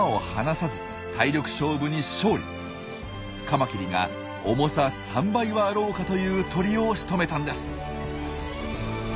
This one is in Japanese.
カマキリが重さ３倍はあろうかという鳥をしとめたんです。